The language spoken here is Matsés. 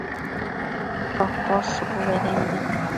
shocosh shubu bedembi